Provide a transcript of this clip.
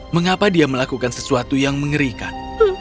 mengapa dia melakukan sesuatu yang mengerikan